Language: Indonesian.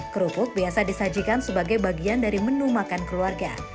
kerupuk biasa disajikan sebagai bagian dari menu makan keluarga